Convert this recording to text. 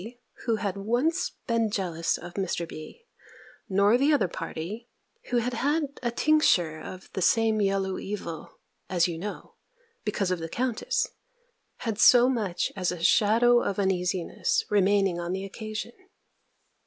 who had once been jealous of Mr. B. nor the other party, who had had a tincture of the same yellow evil, as you know, because of the Countess, had so much as a shadow of uneasiness remaining on the occasion.